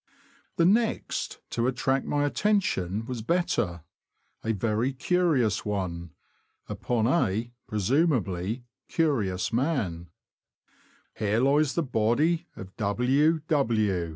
The next to attract my attention was better — a very curious one, upon a, presumably, curious man :— Here lies the body of W. W.